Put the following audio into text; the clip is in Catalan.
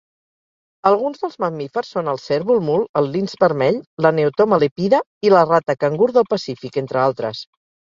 Alguns dels mamífers són el cérvol mul, el linx vermell, la 'Neotoma lepida' i la rata cangur del Pacífic, entre altres.